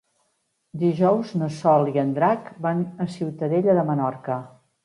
Dijous na Sol i en Drac van a Ciutadella de Menorca.